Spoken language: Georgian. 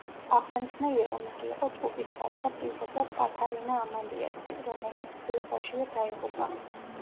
აღსანიშნავია, რომ იგი იყო ტყუპისცალი და პრინცესა კათარინა ამალიასი, რომელიც ჩვილობაშივე დაიღუპა.